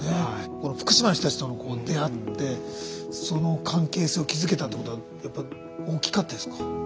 この福島の人たちと出会ってその関係性を築けたってことはやっぱり大きかったですか。